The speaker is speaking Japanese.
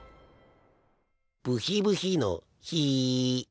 ブヒブヒのヒ。